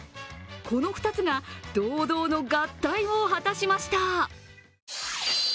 この２つが堂々の合体を果たしました。